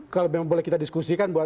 kalau memang boleh kita diskusikan bahwa